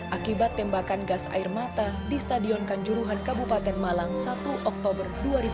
akibat tembakan gas air mata di stadion kanjuruhan kabupaten malang satu oktober dua ribu dua puluh